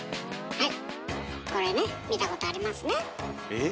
はい。